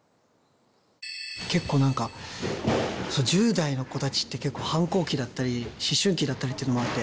結構何か１０代の子たちって結構反抗期だったり思春期だったりってのもあって。